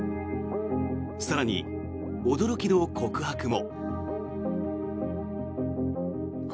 更に、驚きの告白も。